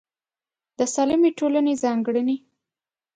د سالمې ټولنې ځانګړنې